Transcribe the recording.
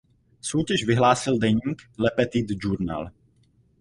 Soutěž vyhlásil deník Le Petit Journal.